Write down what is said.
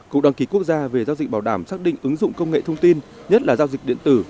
cục đăng ký quốc gia về giao dịch bảo đảm xác định ứng dụng công nghệ thông tin nhất là giao dịch điện tử